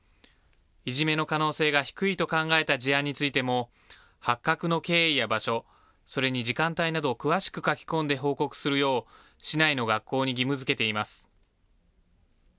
いじめの可能性が低いと考えた事案についても、発覚の経緯や場所、それに時間帯など、詳しく書き込んで報告するよう、市内の学校に義務づけています。